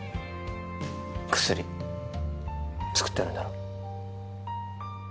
薬作ってるんだろ？